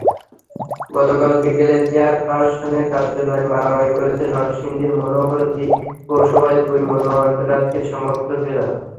গতকাল বিকেলে চেয়ারপারসনের কার্যালয়েই মারামারি করেছেন নরসিংদীর মনোহরদী পৌরসভায় দুই মনোনয়নপ্রার্থীর সমর্থকেরা।